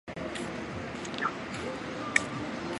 圣马特奥站的车站之一。